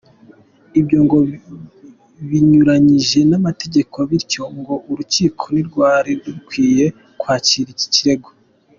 Ibyo ngo binyuranyije n’amategeko bityo ngo Urukiko ntirwari rukwiye kwakira iki kirego.